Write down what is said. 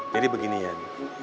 jadi begini ian